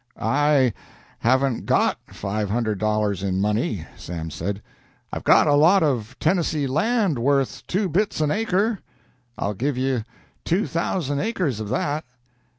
"I haven't got five hundred dollars in money," Sam said. "I've got a lot of Tennessee land worth two bits an acre. I'll give you two thousand acres of that."